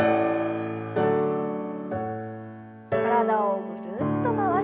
体をぐるっと回します。